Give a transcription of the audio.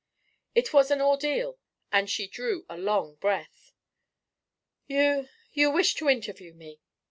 It was an ordeal, and she drew a long breath. "You you wish to interview me?"